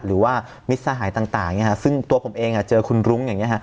หรือว่ามิตรสหายต่างซึ่งตัวผมเองเจอคุณรุ้งอย่างนี้ฮะ